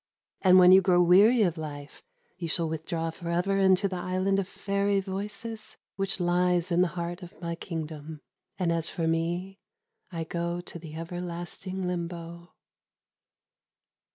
And when you grow weary of life you shall withdraw for ever into the island of faery voices which lies in the heart of my kingdom. And as for me I go to the everlasting Limbo."